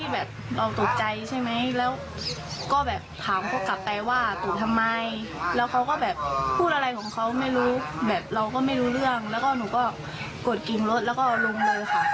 แบบเราก็ไม่รู้เรื่องแล้วก็หนูก็กดกริ่งรถแล้วก็ลงเลยค่ะ